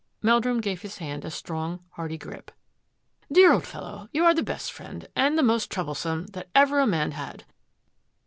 Meldrum gave his hand a strong, hearty grip. " Dear old fellow, you are the best friend — and the most troublesome — that ever a man had."